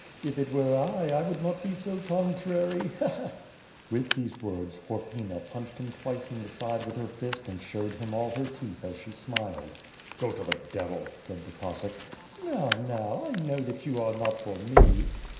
If it were I, I would not be so contrary. Ila! Ha!" With these words, Horpyna punched him twice in the side with her fist and showed him all her teeth as she smiled. "Go to the devil!" said the Oossack. "Now, now! I know that you are not for me."